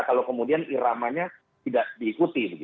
kalau kemudian iramanya tidak diikuti